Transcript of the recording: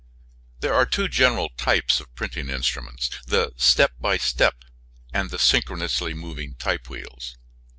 There are two general types of printing instruments, the step by step, and the synchronously moving type wheels.